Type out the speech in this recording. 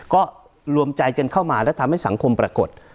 ก็รวมใจกันเข้ามาและทำให้สังคมปรากฏ